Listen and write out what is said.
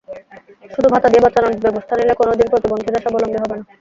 শুধু ভাতা দিয়ে বাঁচানোর ব্যবস্থা নিলে কোনো দিন প্রতিবন্ধীরা স্বাবলম্বী হবে না।